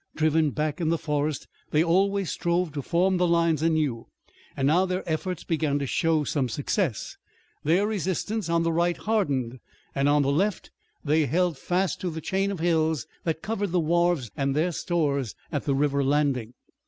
Driven back in the forest they always strove to form the lines anew, and now their efforts began to show some success. Their resistance on the right hardened, and on the left they held fast to the last chain of hills that covered the wharves and their stores at the river landing.